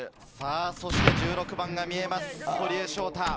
そして１６番が見えます、堀江翔太。